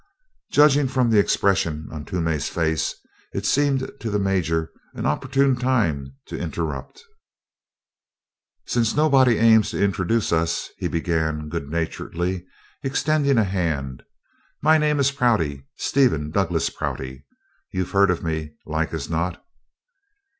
Judging from the expression on Toomey's face, it seemed to the Major an opportune time to interrupt. "Since nobody aims to introduce us " he began good naturedly, extending a hand. "My name is Prouty Stephen Douglas Prouty. You've heard of me, like as not."